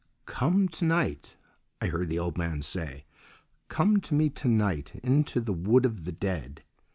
"Come to night," I heard the old man say, "come to me to night into the Wood of the Dead.